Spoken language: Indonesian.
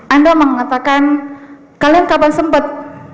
anda mengatakan kalian kapan sempet